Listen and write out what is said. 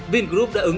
vingroup đã ứng tượng